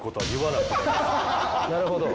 なるほど。